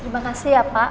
terima kasih ya pak